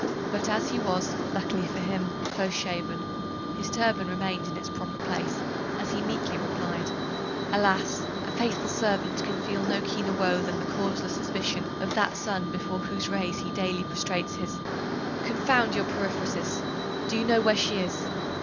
But as he was, luckily for him, close shaven, his turban remained in its proper place, as he meekly replied 'Alas! a faithful servant can feel no keener woe than the causeless suspicion of that sun before whose rays he daily prostrates his ' 'Confound your periphrases! Do you know where she is?